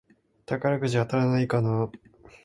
宝くじ当たらないかなぁ